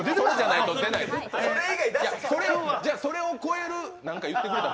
それを超える、何か言ってくれたら。